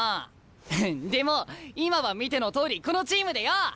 ヘヘッでも今は見てのとおりこのチームでよ！